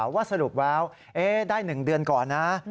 ว่าสรุปว้าวเอ๊ะได้๑เดือนก่อนนะ